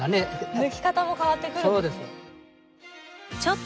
抜き方も変わってくるんですね。